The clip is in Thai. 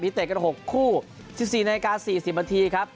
นี้เตะกัน๖คู่๑๔นาฬิกา๔๐มครับ